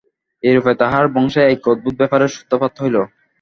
এইরূপে তাঁহার বংশে এক অদ্ভুত ব্যাপারের সূত্রপাত হইল।